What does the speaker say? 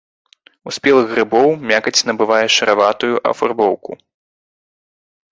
У спелых грыбоў мякаць набывае шараватую афарбоўку.